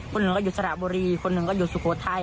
คนหนึ่งก็อยู่สระบุรีคนหนึ่งก็อยู่สุโขทัย